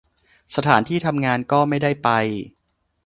สถานที่ทำงานก็ไม่ได้ไป